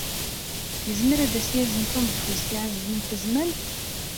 Yezmer ad as-yazen taneḍfust i Ɛezdin n Tezmalt?